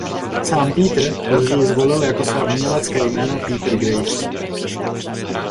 Sám Peter později zvolil jako své umělecké jméno Peter Graves.